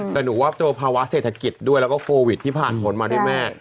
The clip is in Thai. แต่หนูว่าเจอภาวะเศรษฐกิจด้วยแล้วก็โควิดที่ผ่านผลมาด้วยแม่